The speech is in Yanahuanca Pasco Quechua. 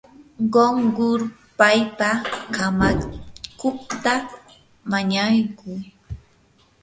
qunqurpaypa kamakuqta mañakuy.